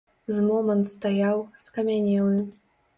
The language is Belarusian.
З момант стаяў, скамянелы.